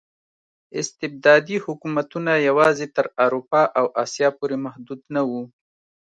استبدادي حکومتونه یوازې تر اروپا او اسیا پورې محدود نه وو.